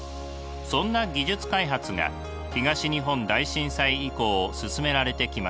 そんな技術開発が東日本大震災以降進められてきました。